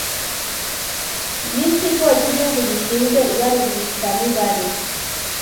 n’Ikigo cy’Igihugu gishinzwe Ibarurishamibare,